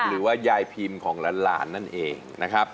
หรือว่ายายพิมพ์ของหลานนั่นเองนะครับ